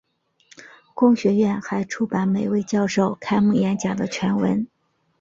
公学院还出版每位教授开幕演讲的全文。